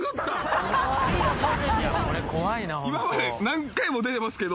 今まで何回も出てますけど。